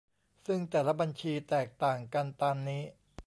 ซึ่งแต่ละบัญชีแตกต่างกันตามนี้